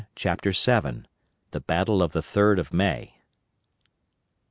CHAPTER VII. THE BATTLE OF THE THIRD OF MAY.